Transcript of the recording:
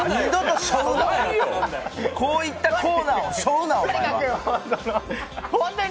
こういったコーナーをしょうな。